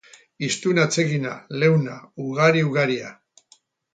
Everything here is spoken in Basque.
Hiztun atsegina, leuna, ugari-ugaria.